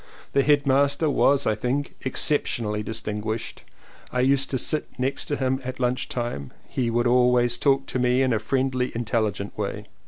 The headmaster was I think exceptionally distinguished, I used to sit next to him at lunch time and he would always talk to me in a friendly intelligent way.